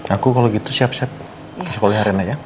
aku kalau gitu siap siap ke sekolah rena ya